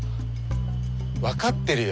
分かってるよ。